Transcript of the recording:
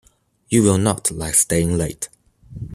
You will not like staying late.